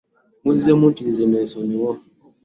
Mmuzzeemu nti, “Nze nneesonyiwa."